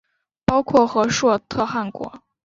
包括和硕特汗国。